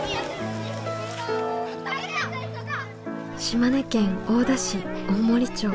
島根県大田市大森町。